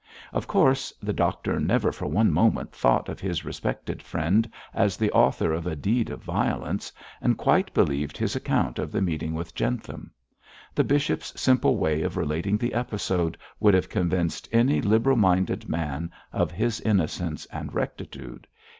Of course, the doctor never for one moment thought of his respected friend as the author of a deed of violence, and quite believed his account of the meeting with Jentham. The bishop's simple way of relating the episode would have convinced any liberal minded man of his innocence and rectitude.